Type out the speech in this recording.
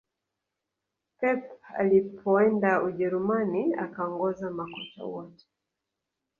pep alipoenda ujerumani akaongoza makocha wote